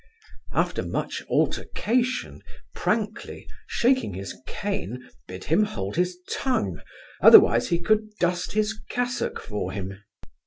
After much altercation, Prankley, shaking his cane, bid him hold his tongue, otherwise he could dust his cassock for him.